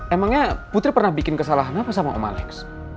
emangnya putri pernah bikin kesalahan apa sama om malex